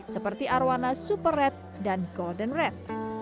seperti arowana super red dan golden red